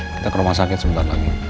kita ke rumah sakit sebentar lagi